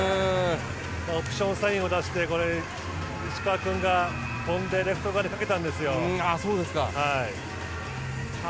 オプションサインを出して石川君が跳んでレフト側にかけたんですよ。